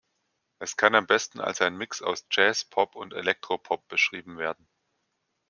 Es kann am besten als ein Mix aus Jazz, Pop und Elektropop beschrieben werden.